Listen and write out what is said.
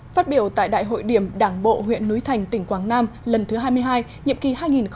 phát biểu tại đại hội điểm đảng bộ huyện núi thành tỉnh quảng nam lần thứ hai mươi hai nhiệm kỳ hai nghìn hai mươi hai nghìn hai mươi năm